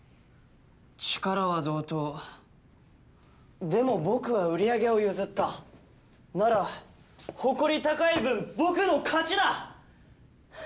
力は同等でも僕は売り上げを譲ったなら誇り高い分僕の勝ちだ！